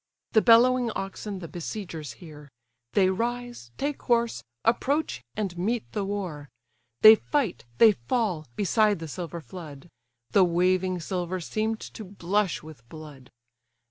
The bellowing oxen the besiegers hear; They rise, take horse, approach, and meet the war, They fight, they fall, beside the silver flood; The waving silver seem'd to blush with blood.